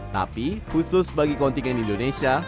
tapi khusus bagi kontingen indonesia